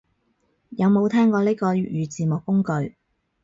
有冇聽過呢個粵語字幕工具